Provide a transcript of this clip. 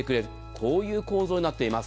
こういう構造になっています。